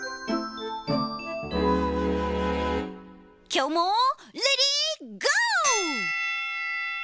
きょうもレディーゴー！